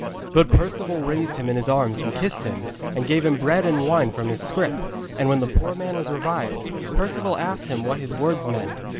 But Perceval raised him in his arms and kissed him, and gave him bread and wine from his scrip, and when the poor man was revived, Perceval asked him what his words meant.